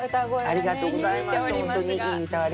ありがとうございます。